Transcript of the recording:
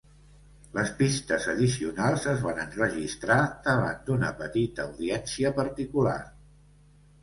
Les pistes addicionals es van enregistrar davant d'una petita audiència particular.